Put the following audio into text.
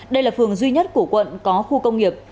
đây là phường duy nhất của quận có khu công nghiệp